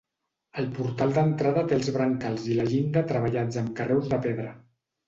El portal d'entrada té els brancals i la llinda treballats amb carreus de pedra.